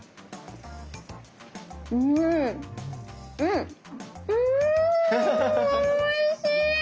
うんおいしい！